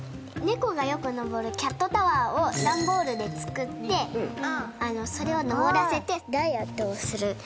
猫がよく登るキャットタワーを段ボールで作ってそれを登らせてダイエットをする。